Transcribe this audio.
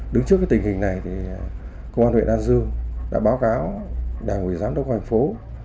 đứng trước tình hình này công an huyện an dương đã báo cáo đảng quỳ giám đốc hành phố